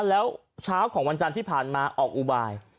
แล้วเช้าของวันจันทร์ที่ผ่านมาออกอุบาย